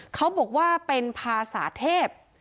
เขาบอกว่าเป็นภาษาเทพ